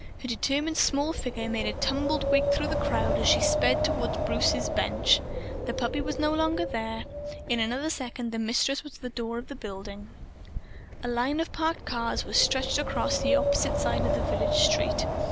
Her determined small figure made a tumbled wake through the crowd as she sped toward Bruce's bench. The puppy was no longer there. In another second the Mistress was at the door of the building. A line of parked cars was stretched across the opposite side of the village street.